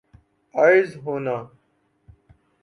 عرض ہونا